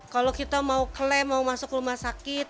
kalau kita mau klaim mau masuk rumah sakit